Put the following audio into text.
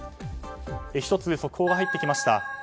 １つ、速報が入ってきました。